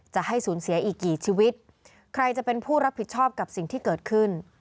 จะให้สูญเสียอีกกี่ชีวิตใครจะเป็นผู้รับผิดชอบกับสิ่งที่เกิดขึ้น